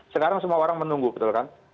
sekarang semua orang menunggu betul kan